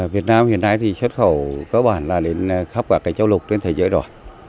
việt nam hiện nay thì xuất khẩu cơ bản là đến khắp cả châu lục đến thế giới rồi